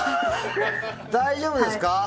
大丈夫ですか？